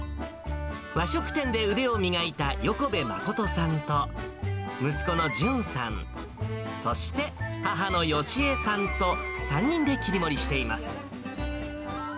和食店で腕を磨いた横部誠さんと、息子の潤さん、そして、母の美枝さんと、３人で切り盛りしています。